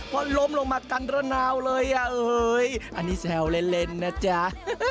พอล้มลงมากันระนาวเลยอันนี้แซวเล่นนะจ้า